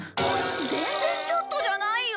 全然ちょっとじゃないよ！